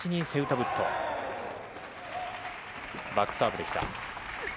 バックサーブできた。